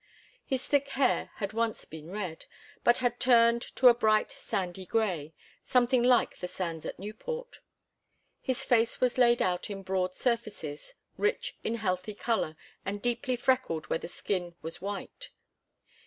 His thick hair had once been red, but had turned to a bright sandy grey, something like the sands at Newport. His face was laid out in broad surfaces, rich in healthy colour and deeply freckled where the skin was white.